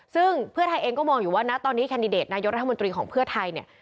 ซึ่งเพื่อไทยเองก็มองอยู่ว่านะตอนนี้แคนดิเดตนายกรัฐมนตรีของเพื่อไทยเนี่ย